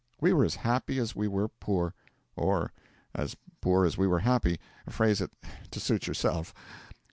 We were as happy as we were poor, or as poor as we were happy phrase it to suit yourself.